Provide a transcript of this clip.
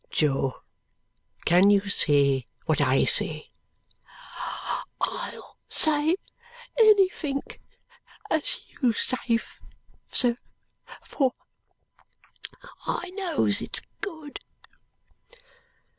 "Jo, can you say what I say?" "I'll say anythink as you say, sir, for I knows it's good."